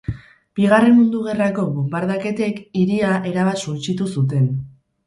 Bigarren Mundu Gerrako bonbardaketek hiria erabat suntsitu zuten.